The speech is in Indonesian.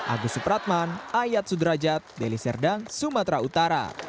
agus supratman ayat sudrajat deliserdang sumatera utara